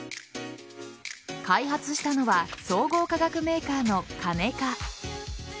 開発したのは総合化学メーカーのカネカ。